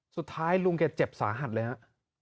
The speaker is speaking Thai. สุดท้ายลุงแกเจ็บสาหัสเลยฮะ